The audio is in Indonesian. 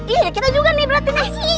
iya kita juga nih berarti nih